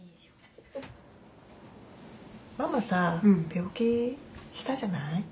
ママさ病気したじゃない？